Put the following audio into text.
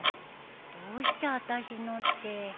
どうしてあたしのって。